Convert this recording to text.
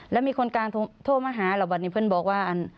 แล้วมีคนกลางโทรมาหาเราวันนี้เพื่อนบอกว่า